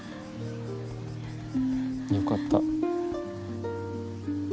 よかった。